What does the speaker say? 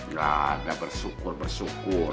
ya udah bersyukur bersyukur